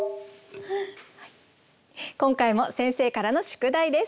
今回も先生からの宿題です。